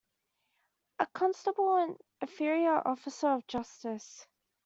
A constable an inferior officer of justice.